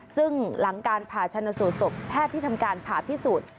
ซึ่งหลังการผ่าชนสูตรศพแพทย์ที่ทำการผ่าพิสูจน์